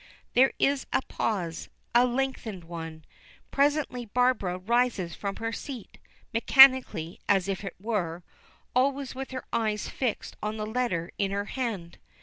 There is a pause a lengthened one. Presently Barbara rises from her seat, mechanically, as it were, always with her eyes fixed on the letter in her hand.